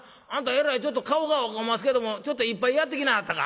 えらいちょっと顔が赤おますけどもちょっと一杯やってきなはったか」。